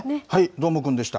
どーもくんでした。